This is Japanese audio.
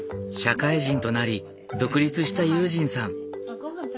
社会人となり独立した悠仁さん。